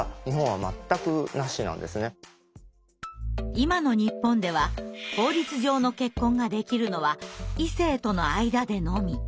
今の日本では法律上の結婚ができるのは異性との間でのみ。